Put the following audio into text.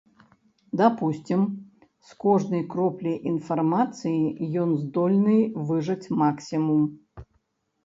Дапусцім, з кожнай кроплі інфармацыі ён здольны выжаць максімум.